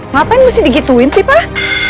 ngapain mesti digituin sih pak